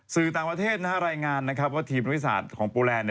สื่อต่างประเทศนะครับรายงานนะครับว่าทีมประวัติศาสตร์ของโปรแลนด์